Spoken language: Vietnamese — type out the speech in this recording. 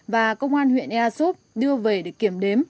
và công an huyện ea súp đưa về để kiểm đếm